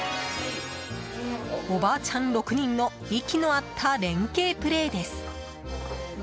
おばあちゃん６人の息の合った連係プレーです。